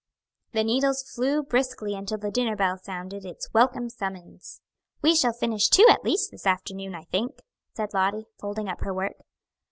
The needles flew briskly until the dinner bell sounded its welcome summons. "We shall finish two at least this afternoon, I think," said Lottie, folding up her work.